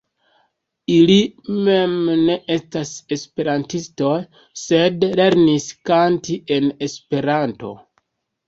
Ili mem ne estas Esperantistoj, sed lernis kanti en Esperanto.